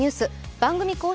番組公式